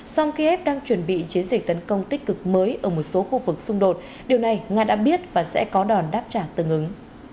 song kiev đang chuẩn bị chiến dịch tấn công tích cực mới ở một số khu vực xung đột điều này nga đã biết và sẽ có đòn đáp trả tương ứng